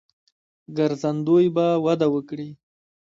ګرځندوی به وده وکړي.